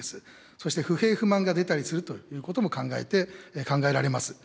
そして不平不満が出たりするということも考えられます。